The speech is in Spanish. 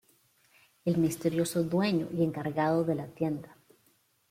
El misterioso dueño y encargado de la tienda.